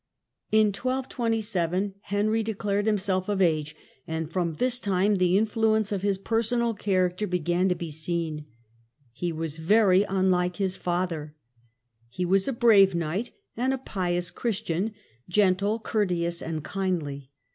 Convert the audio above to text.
In 1227 Henry declared himself of age, and from this time the influence of his personal character began to be seen. He was very unlike his father. He The character was a brave knight, and a pious Christian, of Henry in. gentle, courteous, and kindly.